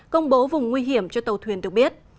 công bố vùng nguy hiểm cho tàu thuyền được biết